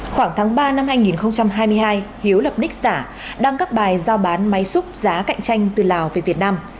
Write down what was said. khoảng tháng ba năm hai nghìn hai mươi hai hiếu lập nic giả đăng các bài giao bán máy xúc giá cạnh tranh từ lào về việt nam